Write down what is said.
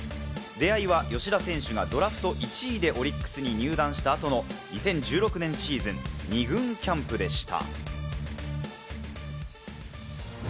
出会いは吉田選手がドラフト１位でオリックスに入団した後の２０１６年シーズン、２軍キャンプでした。